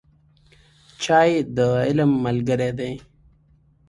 چای د علم ملګری دی